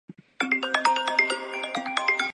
観光地では地元ならではのものを食べたい